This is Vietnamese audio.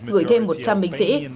gửi thêm một trăm linh binh sĩ